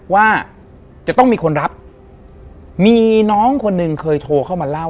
ว่าจะต้องมีคนรับมีน้องคนหนึ่งเคยโทรเข้ามาเล่า